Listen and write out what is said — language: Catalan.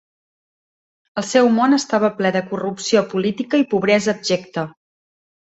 El seu món estava ple de corrupció política i pobresa abjecta.